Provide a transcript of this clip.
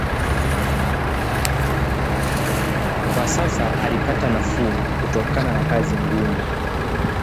Kwa sasa alipata nafuu kutokana na kazi ngumu